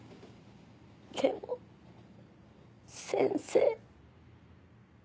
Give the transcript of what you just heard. でも先生。